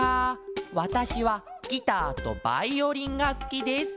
わたしはギターとバイオリンがすきです！」。